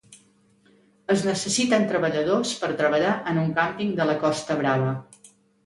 Es necessiten treballadors per treballar en un càmping de la Costa Brava.